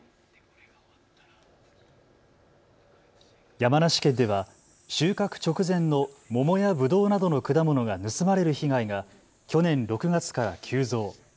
山梨県では収穫直前の桃やぶどうなどの果物が盗まれる被害が去年６月から急増。